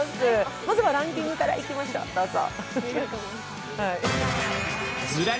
まずはランキングからいきましょう、どうぞ。